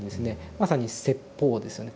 まさに説法ですよね。